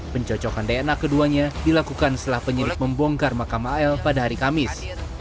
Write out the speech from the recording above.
pencocokan dna keduanya dilakukan setelah penyidik membongkar makam al pada hari kamis